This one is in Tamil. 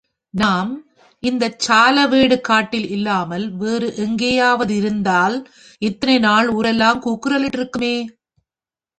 நாம் இந்தச் சாலவேடு காட்டில் இல்லாமல் வேறு எங்கேயாவதிருந்தால் இத்தனை நாள் ஊரெல்லாம் கூக்குரலிட்டிருக்குமே?